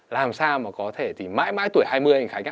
làm sao mà có thể thì mãi mãi tuổi hai mươi anh khánh